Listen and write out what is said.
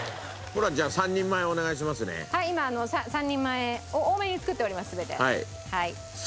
はい今３人前多めに作っております全て。